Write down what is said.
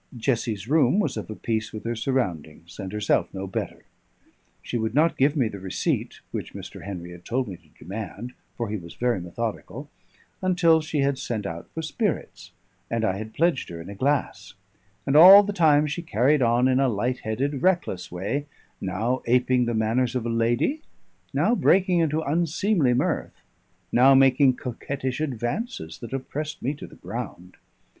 Jessie's room was of a piece with her surroundings, and herself no better. She would not give me the receipt (which Mr. Henry had told me to demand, for he was very methodical) until she had sent out for spirits, and I had pledged her in a glass; and all the time she carried on in a light headed, reckless way now aping the manners of a lady, now breaking into unseemly mirth, now making coquettish advances that oppressed me to the ground.